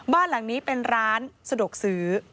บ้านหลังนี้เป็นร้านสะดวกซื้อ